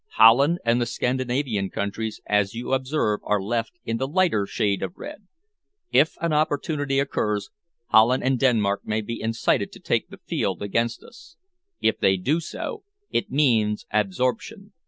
Holland and the Scandinavian countries, as you observe are left in the lighter shade of red. If an opportunity occurs, Holland and Denmark may be incited to take the field against us. If they do so, it means absorption.